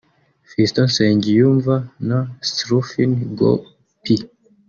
Fiston Nsengiyunva na Sruthin Gopi